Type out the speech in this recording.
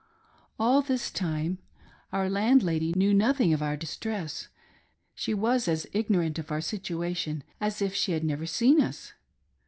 All this time our landlady knew nothing of our distress ; she was as ignorant gf our situation as if she had never seen us.